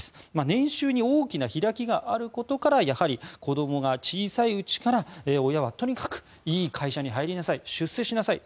年収に大きな開きがあることからやはり、子どもが小さいうちから親はとにかくいい会社に入りなさい出世しなさい